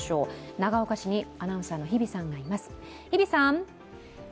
長岡市にアナウンサーの日比さんがいます。